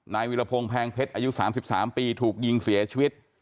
นายวิรพงษ์แพงเผ็ดอายุสามสิบสามปีถูกยิงเสียชีวิต